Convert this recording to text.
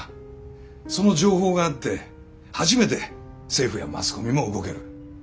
その情報があって初めて政府やマスコミも動ける。